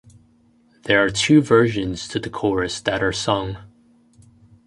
There are two versions to the chorus that are sung.